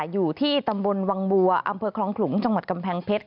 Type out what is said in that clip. อยู่ที่ตำบลวังบัวอำเภอคลองขลุงจังหวัดกำแพงเพชร